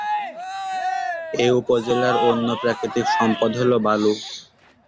এ উপজেলার অন্য প্রাকৃতিক সম্পদ হল বালু।